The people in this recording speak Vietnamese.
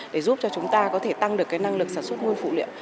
để giúp cho chúng ta có thể tăng được cái năng lực sản xuất nguyên phụ liệu